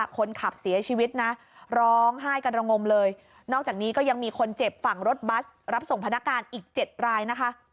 คนขับเสียชีวิตนะร้องไห้กันระงมเลยนอกจากนี้ก็ยังมีคนเจ็บฝั่งรถบัสรับส่งพนักงานอีก๗รายนะคะ